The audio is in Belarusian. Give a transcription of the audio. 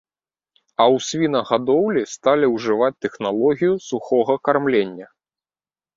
А ў свінагадоўлі сталі ўжываць тэхналогію сухога кармлення.